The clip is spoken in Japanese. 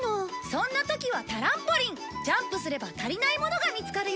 そんな時はタランポリンジャンプすれば足りないものが見つかるよ